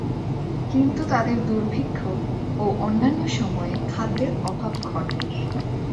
কিন্তু তাদের দুর্ভিক্ষ ও অন্যান্য সময়ে খাদ্যের অভাব ঘটে।